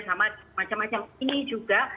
sama macam macam ini juga